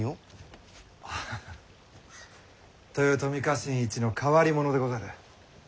ああ豊臣家臣一の変わり者でござる。